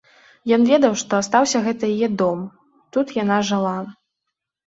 Ён ведаў, што астаўся гэта яе дом, тут яна жыла.